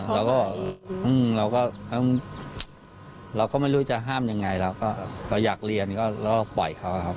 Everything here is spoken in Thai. เราก็ไม่รู้จะห้ามอย่างไรเราก็อยากเรียนแล้วก็ปล่อยเขาครับ